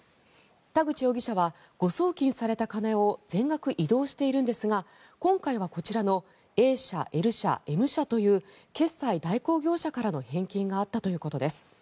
田口容疑者は誤送金された金を全額移動しているんですが今回はこちらのＡ社、Ｌ社、Ｍ社という決済代行業者からの返金があったということです。